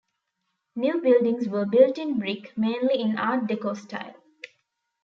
New buildings were built in brick, mainly in Art Deco style.